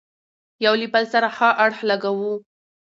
يو له بل سره ښه اړخ لګوو،